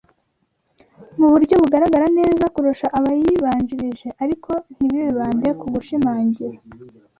Mu buryo bugaragara neza kurusha abayibanjirije ariko ntibibande ku gushimangira